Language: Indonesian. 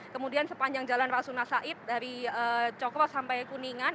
kemudian sepanjang jalan rasuna said dari cokro sampai kuningan